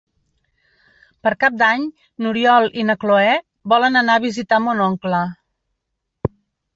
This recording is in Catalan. Per Cap d'Any n'Oriol i na Cloè volen anar a visitar mon oncle.